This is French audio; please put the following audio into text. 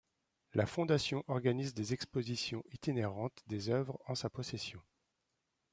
La Fondation organise des explositions itinérantes des œuvres en sa possession.